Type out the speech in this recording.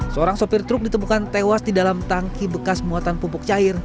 seorang sopir truk ditemukan tewas di dalam tangki bekas muatan pupuk cair